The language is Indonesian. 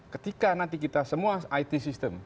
ketika nanti kita semua it system